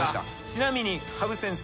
ちなみに羽生先生。